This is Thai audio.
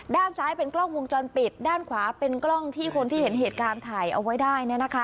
ด้านซ้ายเป็นกล้องวงจรปิดด้านขวาเป็นกล้องที่คนที่เห็นเหตุการณ์ถ่ายเอาไว้ได้